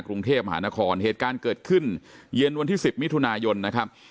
กรุงเทพมหานครเหตุการณ์เกิดขึ้นเย็นวันที่๑๐มิถุนายนนะครับ